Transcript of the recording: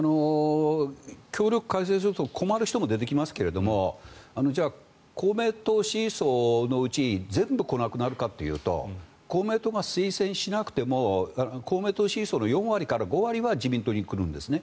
協力を解消すると困る人も出てきますがじゃあ、公明党支持層のうち全部来なくなるかというと公明党が推薦しなくても公明党支持層の４割から５割は自民党に来るんですね。